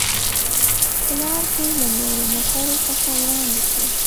په لار کې له نورو موټرو څخه وړاندې شوو.